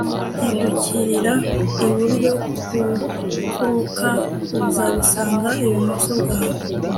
hindukirira iburyo ku mfuruka, uzabisanga ibumoso bwawe